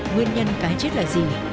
nguyên nhân cái chết là gì